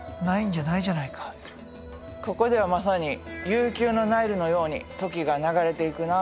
ここではまさに悠久のナイルのように時が流れていくな。